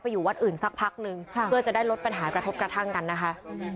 อยู่วัดอื่นสักพักนึงเพื่อจะได้ลดปัญหากระทบกระทั่งกันนะคะ